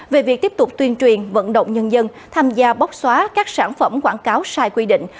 về việc tiếp tục tuyên truyền vận động nhân dân tham gia bóc xóa các sản phẩm quảng cáo sai quy định